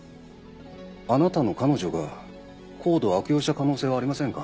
あなたの彼女がＣＯＤＥを悪用した可能性はありませんか？